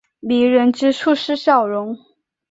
迷人之处是笑容。